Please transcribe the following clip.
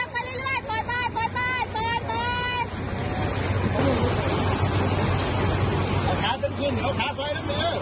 ปั้นเรื่อยเรื่อยไปล